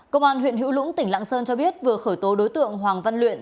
công an huyện hữu lũng tỉnh lạng sơn cho biết vừa khởi tố đối tượng hoàng văn luyện